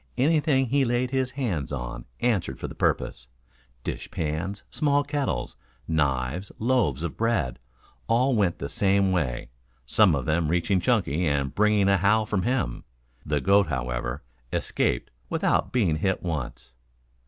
Anything he laid his hands on answered for the purpose dishpans, small kettles, knives, loaves of bread all went the same way, some of them reaching Chunky and bringing a howl from him. The goat, however, escaped without being hit once.